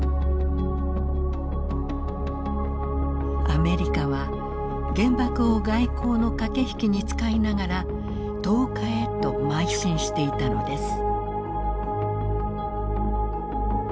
アメリカは原爆を外交の駆け引きに使いながら投下へとまい進していたのです。